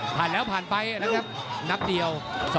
ผ่านแล้วผ่านไปแล้วครับนับเดียว